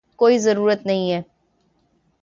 کوئی ضرورت نہیں ہے